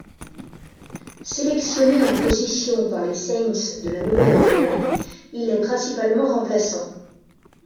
Sélectionné en position par les Saints de La Nouvelle-Orléans, il est principalement remplaçant.